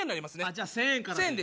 じゃあ１，０００円からで。